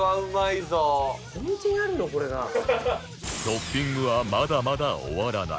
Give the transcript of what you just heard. トッピングはまだまだ終わらない